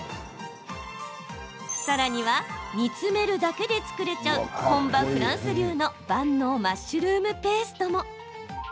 さらには煮詰めるだけで作れちゃう本場フランス流の万能マッシュルームペーストも。